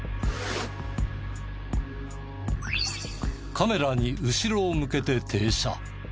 カメラに後ろを向けて停車。